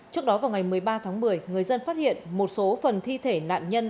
trước đó vào ngày một mươi ba tháng một mươi người dân phát hiện một số phần thi thể nạn nhân